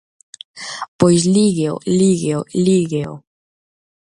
Pois lígueo, lígueo, lígueo.